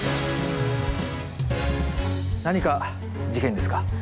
何か事件ですか？